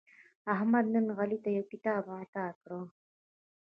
احمد نن علي ته یو کتاب اعطا کړ.